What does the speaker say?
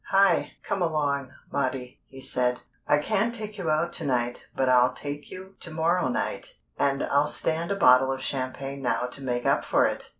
"Hi! Come along, Maudie!" he said. "I can't take you out to night but I'll take you to morrow night, and I'll stand a bottle of champagne now to make up for it."